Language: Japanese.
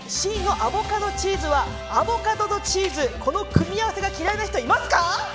Ｃのアボカドチーズはアボカドとチーズの組み合わせが嫌いな人はいますか。